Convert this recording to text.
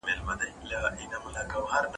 د کورنۍ پانګوالۍ ملاتړ هم مهم دی.